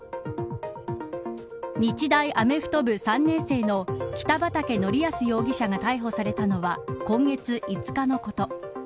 日大アメフト部３年生の北畠成文容疑者が逮捕されたのは今月５日のこと。